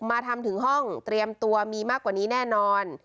มาทำถึงห้องเตรียมตัวมีมากกว่านี้แน่นอน